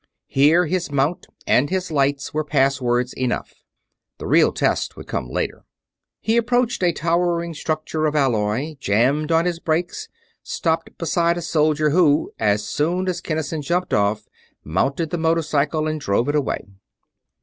Here his mount and his lights were passwords enough: the real test would come later. He approached a towering structure of alloy jammed on his brakes stopped beside a soldier who, as soon as Kinnison jumped off, mounted the motorcycle and drove it away.